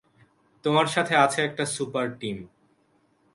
তোমার সাথে আছে একটা সুপার টিম।